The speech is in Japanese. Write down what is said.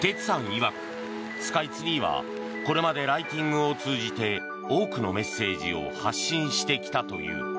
いわくスカイツリーはこれまでライティングを通じて多くのメッセージを発信してきたという。